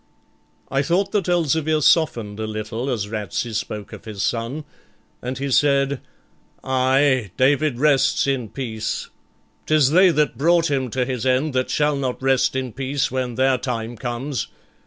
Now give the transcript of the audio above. I thought that Elzevir softened a little as Ratsey spoke of his son, and he said, 'Ay, David rests in peace. 'Tis they that brought him to his end that shall not rest in peace when their time comes.